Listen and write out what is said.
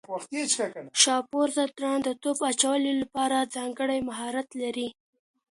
شاپور ځدراڼ د توپ اچونې لپاره ځانګړی مهارت لري.